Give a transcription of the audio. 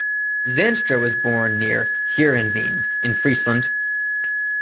Zanstra was born near Heerenveen in Friesland.